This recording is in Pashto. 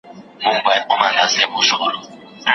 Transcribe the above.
په هره سالمه ټولنه کي د علمي کسانو قدر او درناوی باید وسي.